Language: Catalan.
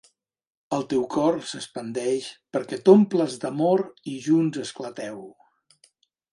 El teu cor s'expandeix perquè t'omples d'amor i junts esclateu.